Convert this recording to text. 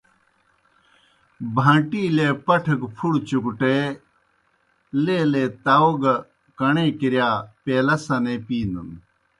بَھان٘ٹِیلے پٹَھہ گہ پُھڑہ چُکٹے لیلے تاؤ گہ کَݨَے کِرِیا پیلہ سنے پِینَن۔